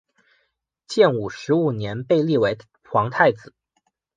建武十五年被立为皇太子。